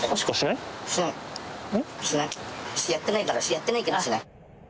やってないからしない。